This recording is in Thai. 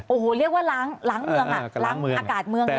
โอ้โฮเรียกว่าล้างเมืองล้างอากาศเมืองเลยใช่ไหมครับ